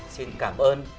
xin cảm ơn